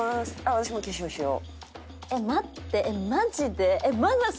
私も化粧しよう。